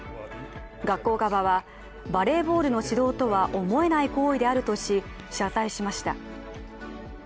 学校側は、バレーボールの指導とは思えない行為であるとし、謝罪しました。